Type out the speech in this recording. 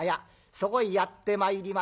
そこにやってまいります。